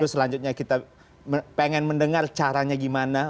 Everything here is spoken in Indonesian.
selanjutnya kita pengen mendengar caranya gimana